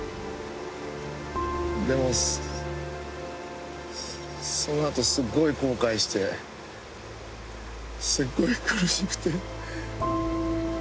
でもその後すっごい後悔してすっごい苦しくて。